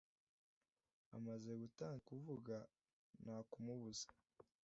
Amaze gutangira kuvuga, nta kumubuza.